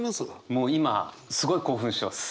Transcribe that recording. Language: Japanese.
もう今すごい興奮してます。